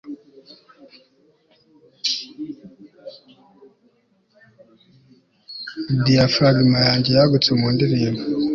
diafragm yanjye yagutse mu ndirimbo